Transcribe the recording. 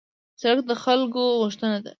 سړک د خلکو غوښتنه ده.